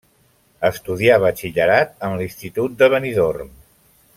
Estudià Batxillerat en l'institut de Benidorm.